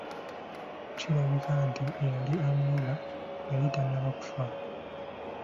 Kirabika nti eyali amuloga yali tannaba kufa.